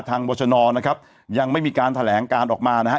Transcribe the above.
บรชนนะครับยังไม่มีการแถลงการออกมานะฮะ